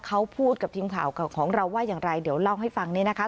เขาพูดกับทีมข่าวของเราว่าอย่างไรเดี๋ยวเล่าให้ฟังเนี่ยนะคะ